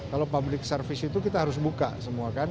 kalau public service itu kita harus buka semua kan